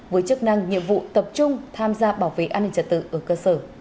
với chức năng nhiệm vụ tập trung tham gia bảo vệ an ninh trật tự ở cơ sở